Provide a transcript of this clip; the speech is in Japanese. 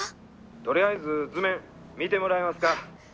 ☎とりあえず図面見てもらえますか？